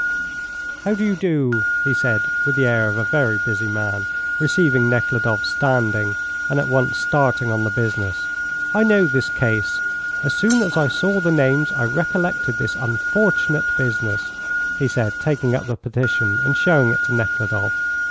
"How do you do?" he said, with the air of a very busy man, receiving Nekhludoff standing, and at once starting on the business. "I know this case. As soon as I saw the names I recollected this unfortunate business," he said, taking up the petition and showing it to Nekhludoff.